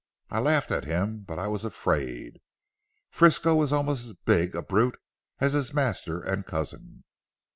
I laughed at him: but I was afraid. Frisco was almost as big a brute as his master and cousin.